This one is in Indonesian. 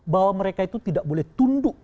bahwa mereka itu tidak boleh tunduk